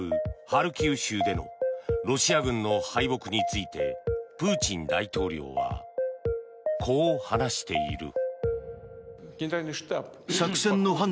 ハルキウ州でのロシア軍の敗北についてプーチン大統領はこう話している。